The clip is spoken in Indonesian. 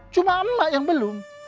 cuma emak yang belum